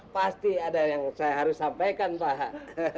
pasti ada yang saya harus sampaikan pak